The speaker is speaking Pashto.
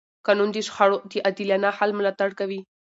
قانون د شخړو د عادلانه حل ملاتړ کوي.